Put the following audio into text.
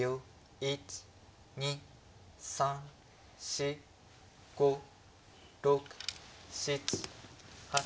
１２３４５６７８。